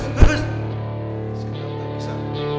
sekarang tak bisa